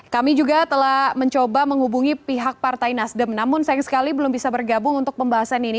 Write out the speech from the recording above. kami juga telah mencoba menghubungi pihak partai nasdem namun sayang sekali belum bisa bergabung untuk pembahasan ini